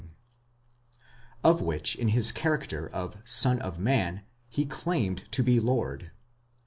of which in his character of Son of Man he claimed to be Lord.